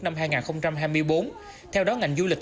năm hai nghìn hai mươi bốn theo đó ngành du lịch